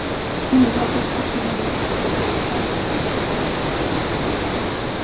Quines altres personalitats s'encarregaran de lluir la samarreta de La Marató?